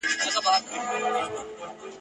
نن به د جنون زولنې ماتي کړو لیلا به سو ..